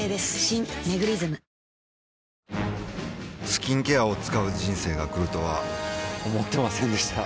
スキンケアを使う人生が来るとは思ってませんでした